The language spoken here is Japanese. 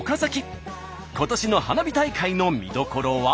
今年の花火大会の見どころは。